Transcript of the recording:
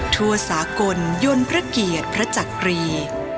ทั่วสากลยนต์พระเกียรติพระจักรี